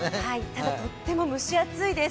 ただ、とっても蒸し暑いです。